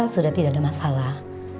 sudah tidak ada masalah